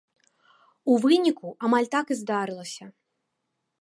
У выніку амаль так і здарылася.